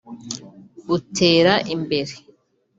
utere imbere